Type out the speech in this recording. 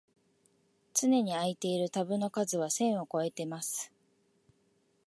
つねに開いているタブの数は千をこえてます